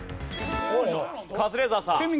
カズレーザーさん。